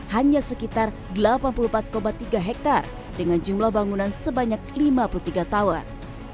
hanya sekitar delapan puluh empat tiga hektare dengan jumlah bangunan sebanyak lima puluh tiga tower